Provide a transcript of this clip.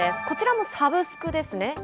こちらもサブスクですね。